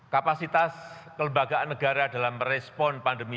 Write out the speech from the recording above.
kapasitas kelembagaan negara dalam merespon pandemi